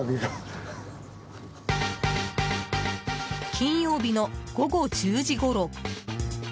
金曜日の午後１０時ごろ。